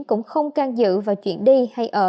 cũng không can dự vào chuyện đi hay ở